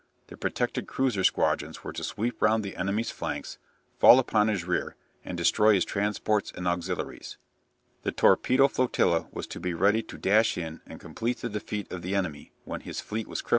The protected cruiser squadrons were to sweep round the enemy's flanks, fall upon his rear, and destroy his transports and auxiliaries. The torpedo flotilla was to be ready to dash in and complete the defeat of the enemy when his fleet was crippled by the fight with the heavy ships.